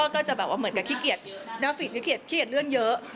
ก็จะแบบว่าเหมือนกับขี้เกียจราฟิกขี้เกียจขี้เกียจเลื่อนเยอะ